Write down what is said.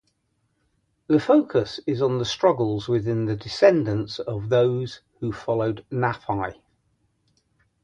The focus is on the struggles within the descendants of those who followed Nafai.